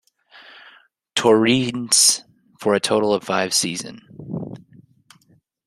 Torreense, for a total of five seasons.